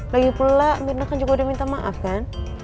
lagipula mirna kan juga udah minta maaf kan